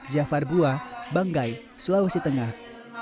jafar bua banggai sulawesi tengah